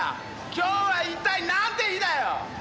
今日は一体なんて日だよ！